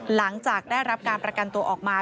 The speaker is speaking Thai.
หลังจากได้รับการประกันตัวออกมา